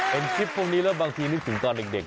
เห็นคลิปพวกนี้แล้วบางทีนึกถึงตอนเด็ก